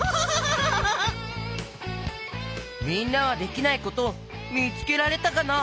みんなはできないことみつけられたかな？